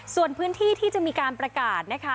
ส่วนพื้นที่ที่จะมีการประกาศนะคะ